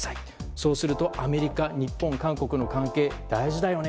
そうすると日本、アメリカ、韓国の関係は大事だよね。